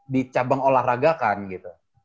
di cabang olahraga kan gitu